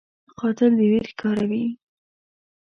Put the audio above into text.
قاتل د ویر ښکاروي